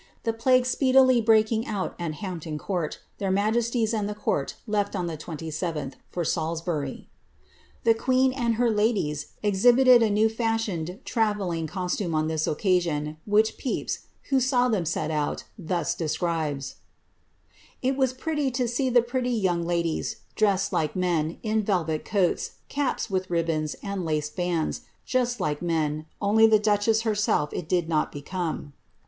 The plague speedily breaking out at Hampton Court, their majesties and the court left on the 27th, for Salisbury.^ The queen and her ladies exhibited a new fashioned travelling cos tume on this occasion, which Pcpys, who saw them set off, thus describes :•* It was pretty to see the pretty young ladies, dressed like men, in velvet coat^, caps, with ribbons, and laced bands, just like men, only the duchess herself it did not become."